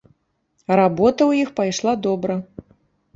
Работа ў іх пайшла добра.